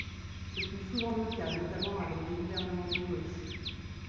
Ce fut souvent le cas, notamment avec les gouvernements de gauche.